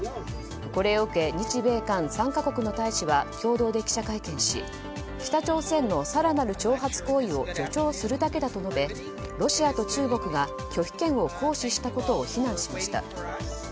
これを受け日米韓３か国の大使は共同で記者会見し北朝鮮の更なる挑発行為を助長するだけだと述べロシアと中国が拒否権を行使したことを非難しました。